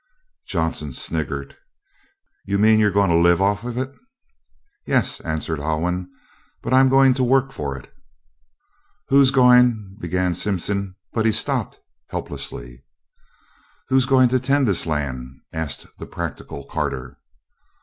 Johnson snickered. "You mean youse gwine to git yo' livin' off it?" "Yes," answered Alwyn; "but I'm going to work for it." "Who's gwine " began Simpson, but stopped helplessly. "Who's going to tend this land?" asked the practical Carter.